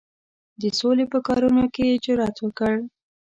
د سولي په کارونو کې یې جرأت وکړ.